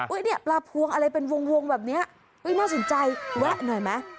อุ๊ยเนี่ยปลาพวงอะไรเป็นวงแบบเนี้ยไม่สนใจแวะหน่อยมั้ย